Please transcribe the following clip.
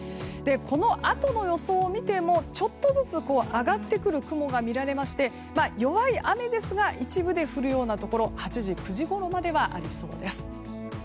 このあとの予想を見てもちょっとずつ上がってくる雲が見られまして、弱い雨ですが一部で降るようなところ８時、９時ごろまではありそうです。